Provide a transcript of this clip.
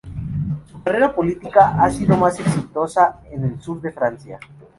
Su carrera política ha sido más exitosa en el sur de Francia.